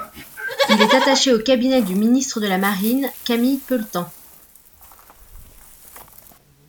Il est attaché au cabinet du ministre de la Marine, Camille Pelletan.